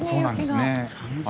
そうなんですね。